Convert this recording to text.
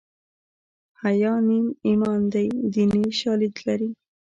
حیا نیم ایمان دی دیني شالید لري